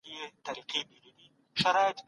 سیاست قدرت ته اړتیا پیدا کړې ده.